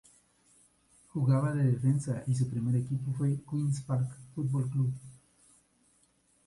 Jugaba de defensa y su primer equipo fue Queen's Park Football Club.